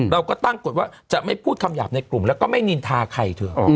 เราก็ตั้งกฎว่าจะไม่พูดคำหยาบในกลุ่มแล้วก็ไม่นินทาใครเธอ